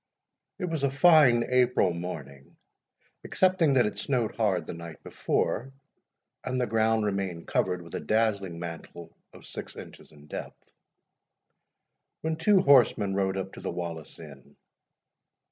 It was a fine April morning (excepting that it had snowed hard the night before, and the ground remained covered with a dazzling mantle of six inches in depth) when two horsemen rode up to the Wallace Inn.